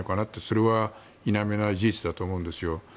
それは否めない事実だと思うんですよ。